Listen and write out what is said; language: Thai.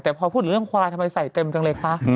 แต่พอพูดถึงเรื่องควายทำไมใส่เต็มจังเลยคะ